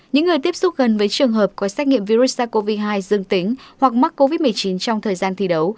những người tiếp xúc gần với trường hợp có xét nghiệm virus sars cov hai dương tính hoặc mắc covid một mươi chín trong thời gian thi đấu